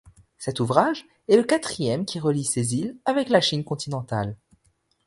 Cet ouvrage est le quatrième qui relie ces îles avec la Chine continentale.